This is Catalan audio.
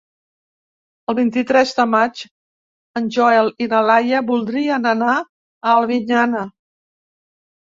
El vint-i-tres de maig en Joel i na Laia voldrien anar a Albinyana.